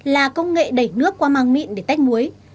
là công nghệ đẩy nước qua mang mịn để tách muối